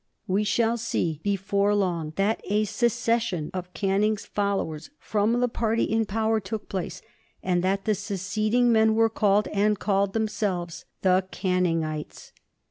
We shall see, before long, that a secession of Canning's followers from the party in power took place, and that the seceding men were called, and called themselves, the "Canningites."